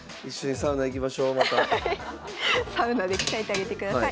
サウナで鍛えてあげてください。